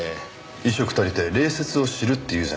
「衣食足りて礼節を知る」って言うじゃないですか。